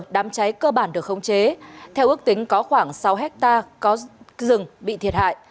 đám cháy cơ bản được khống chế theo ước tính có khoảng sáu hectare có rừng bị thiệt hại